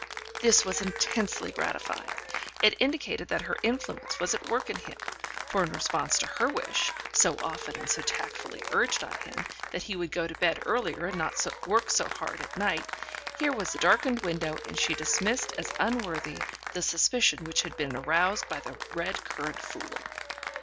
This was intensely gratifying: it indicated that her influence was at work in him, for in response to her wish, so often and so tactfully urged on him, that he would go to bed earlier and not work so hard at night, here was the darkened window, and she dismissed as unworthy the suspicion which had been aroused by the red currant fool.